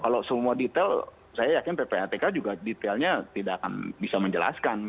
kalau semua detail saya yakin ppatk juga detailnya tidak akan bisa menjelaskan